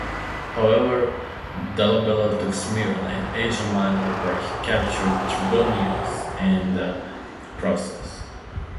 However, Dolabella took Smyrna in Asia Minor, where he captured Trebonius in the process.